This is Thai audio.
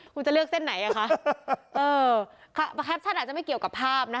คุณจะเลือกเส้นไหนอ่ะคะเออแคปชั่นอาจจะไม่เกี่ยวกับภาพนะคะ